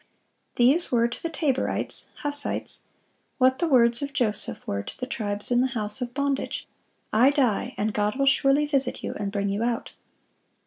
These were to the Taborites [Hussites] what the words of Joseph were to the tribes in the house of bondage: 'I die, and God will surely visit you, and bring you out.